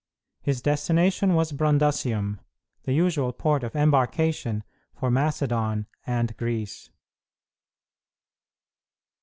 His destination was Brundusium, the usual port of embarkation for Macedon and Greece.